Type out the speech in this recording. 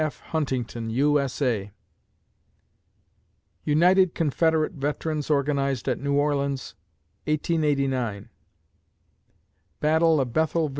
F. HUNTINGTON, U. S. A. United Confederate Veterans organized at New Orleans, 1889 _Battle of Bethel, Va.